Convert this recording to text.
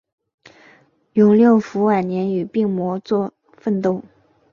永六辅晚年与病魔奋斗。